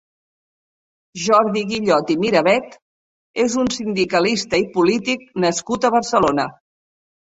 Jordi Guillot i Miravet és un sindicalista i polític nascut a Barcelona.